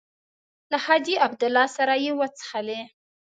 له حاجي عبدالله سره یې وڅښلې.